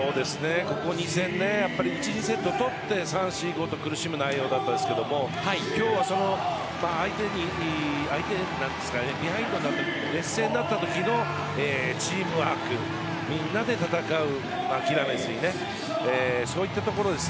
ここ２戦１、２セットを取って３、４、５と苦しむ内容でしたが今日はビハインドになった劣勢になった時のチームワーク、みんなで戦う諦めずに、そういったところです。